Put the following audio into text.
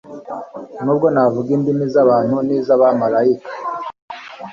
Nubwo navuga indimi z abantu n iz abamarayika